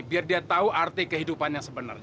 biar dia tahu arti kehidupannya sebenarnya